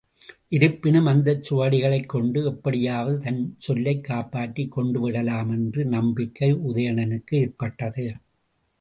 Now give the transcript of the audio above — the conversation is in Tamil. இருப்பினும் அந்தச் சுவடிகளைக் கொண்டு எப்படியாவது தன் சொல்லைக் காப்பாற்றிக் கொண்டு விடலாம் என்ற நம்பிக்கை உதயணனுக்கு ஏற்பட்டது.